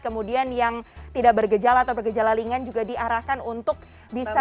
kemudian yang tidak bergejala atau bergejala ringan juga diarahkan untuk bisa